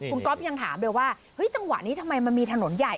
คุณก๊อฟยังถามเลยว่าเฮ้ยจังหวะนี้ทำไมมันมีถนนใหญ่